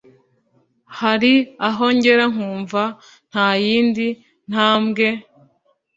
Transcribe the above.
hari aho ngera nkumva nta yindi ntambwe